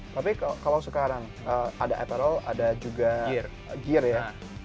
tapi kalau sekarang ada eparol ada juga gear ya